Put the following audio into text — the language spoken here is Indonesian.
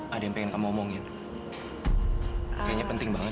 hai aku pengen ngomong sama kamu tentang makhluk